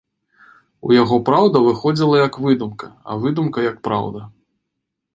У яго праўда выходзіла, як выдумка, а выдумка, як праўда.